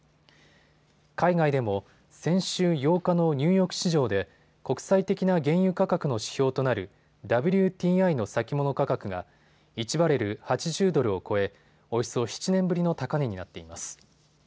海外でも先週８日のニューヨーク市場で国際的な原油価格の指標となるＷＴＩの先物価格が１バレル・８０ドルを超えおよそ７年ぶりの高値になっています。